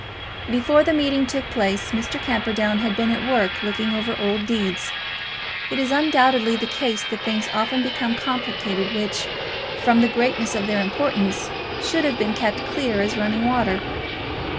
Before the meeting took place, Mr. Camperdown had been at work, looking over old deeds. It is undoubtedly the case that things often become complicated which, from the greatness of their importance, should have been kept clear as running water.